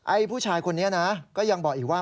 ผู้ชายคนนี้นะก็ยังบอกอีกว่า